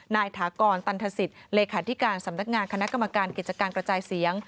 ถากรตันทศิษย์เลขาธิการสำนักงานคณะกรรมการกิจการกระจายเสียง